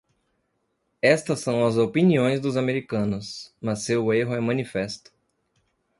Estas são as opiniões dos americanos; mas seu erro é manifesto.